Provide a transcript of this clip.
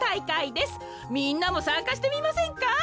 みんなもさんかしてみませんか？